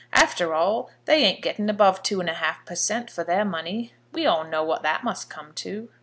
After all, they ain't getting above two and a half per cent. for their money. We all know what that must come to."